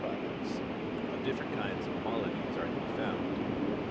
products of different kinds and qualities are to be found.